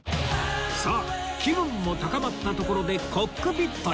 さあ気分も高まったところでコックピットへ